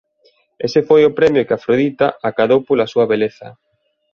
Este foi o premio que Afrodita acadou pola súa beleza.